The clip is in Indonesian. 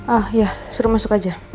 ah ya suruh masuk aja